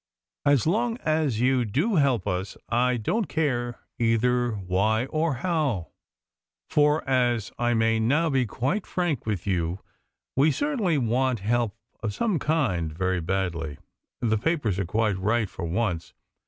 As long as you do help us I don't care either why or how, for, as I may now be quite frank with you, we certainly want help of some sort very badly. The papers are quite right for once.